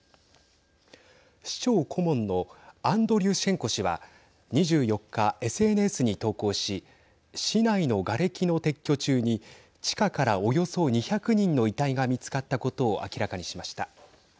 市長顧問のアンドリュシェンコ氏は２４日、ＳＮＳに投稿し市内のがれきの撤去中に地下からおよそ２００人の遺体が見つかったことを明らかにしました。